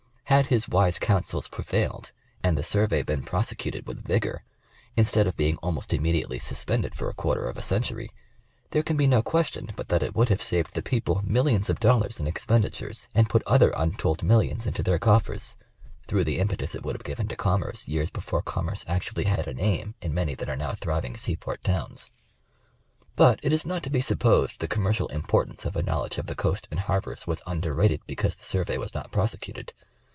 Had his wise counsels prevailed and the survey been prosecuted with vigor, instead of being almost imme diately suspended for a quarter of a century, thei'e can be no question but that it would have saved the people millions of dol lars in expenditures and put other untold millions into their cof fers, through the impetus it would have given to commerce years before commerce actually had a name in many that are now thriving seaport towns. The Survey of the Coast. 61 But it is not to be supposed the commercial importance of a knowledge of the coast and harbors was underrated because the Survey was not prosecuted.